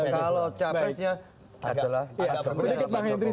kalau capresnya agak berbeda